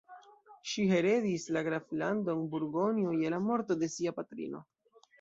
Ŝi heredis la graflandon Burgonjo je la morto de sia patrino.